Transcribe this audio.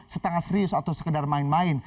setengah serius atau sekedar main main